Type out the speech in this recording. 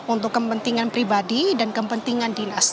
untuk kepentingan pribadi dan kepentingan dinas